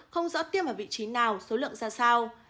không rõ tiêm ở vị trí nào số lượng ra sao